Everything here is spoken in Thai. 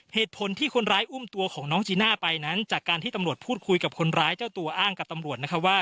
เหตุผลที่คนร้ายอุ้มตัวของน้องจีน่าไปนั้นจากการที่ตำรวจพูดคุยกับคนร้ายเจ้าตัวอ้างกับตำรวจนะคะว่า